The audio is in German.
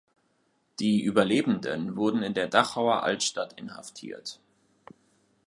Die Überlebenden wurden in der Dachauer Altstadt inhaftiert.